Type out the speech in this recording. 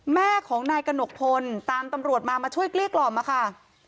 แม่ของนายกระหนกพลตามตำรวจมามาช่วยเกลี้ยกล่อมค่ะ